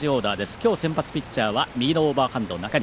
きょう、先発ピッチャーは右のオーバーハンド、中西。